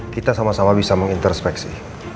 kita sama sama bisa mengintrospeksi